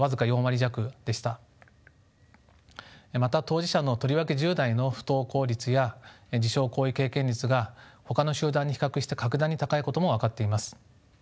また当事者のとりわけ１０代の不登校率や自傷行為経験率がほかの集団に比較して格段に高いことも分かっています。